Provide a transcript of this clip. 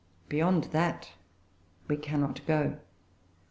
Beyond that we cannot go."